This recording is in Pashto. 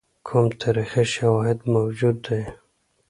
کوم تاریخي شواهد موجود دي.